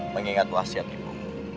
mengingat wasiat ibu